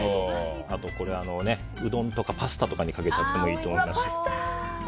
あと、うどんとかパスタとかにかけちゃってもいいと思いますし。